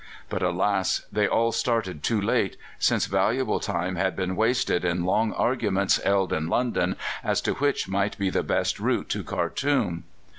But alas! they all started too late, since valuable time had been wasted in long arguments held in London as to which might be the best route to Khartoum.